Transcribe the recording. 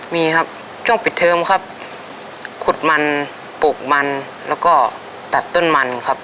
มีครับช่วงปิดเทิมครับขุดมันปลูกมันแล้วก็ตัดต้นมันครับ